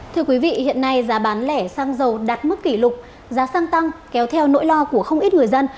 thưa quý vị hiện nay giá bán lẻ sang giàu đạt mức kỷ lục giá sang tăng kéo theo nỗi lo của không ít người dân